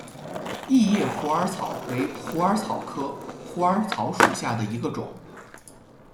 异叶虎耳草为虎耳草科虎耳草属下的一个种。